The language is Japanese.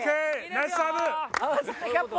ナイスサーブ。